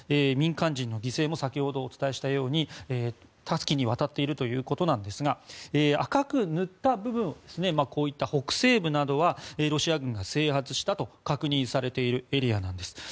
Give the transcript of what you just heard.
民間人の犠牲も先ほどお伝えしたように多岐にわたっているということですが赤く塗った部分こういった北西部などはロシア軍が制圧したと確認されているエリアなんです。